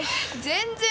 全然！